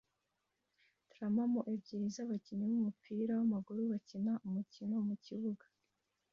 tramamu ebyiri zabakinnyi bumupira wamaguru bakina umukino mukibuga